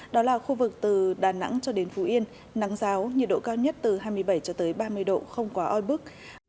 đó là khu vực từ đà nẵng cho đến phú yên nắng giáo nhiệt độ cao nhất từ hai mươi bảy cho tới ba mươi độ không quá oi bức